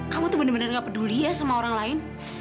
kamu tuh bener bener gak peduli ya sama orang lain